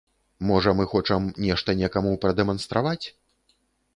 Можа, мы хочам нешта некаму прадэманстраваць?